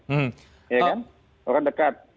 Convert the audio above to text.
iya kan orang dekat